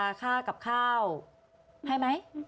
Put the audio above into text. ฆ่ายาฆ่ากับข้าวใช่ไหม